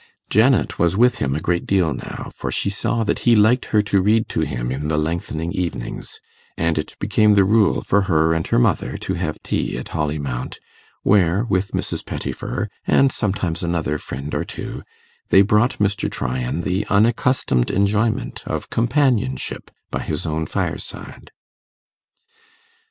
Janet was with him a great deal now, for she saw that he liked her to read to him in the lengthening evenings, and it became the rule for her and her mother to have tea at Holly Mount, where, with Mrs. Pettifer, and sometimes another friend or two, they brought Mr. Tryan the unaccustomed enjoyment of companionship by his own fireside.